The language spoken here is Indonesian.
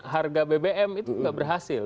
harga bbm itu tidak berhasil